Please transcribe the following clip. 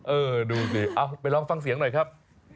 เออดูสิเอาไปลองฟังเสียงหน่อยครับ